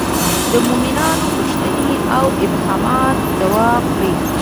د مومنانو پوښتنې او ابهامات ځواب کړي.